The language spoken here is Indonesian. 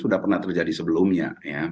sudah pernah terjadi sebelumnya